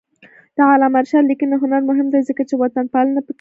د علامه رشاد لیکنی هنر مهم دی ځکه چې وطنپالنه پکې شته.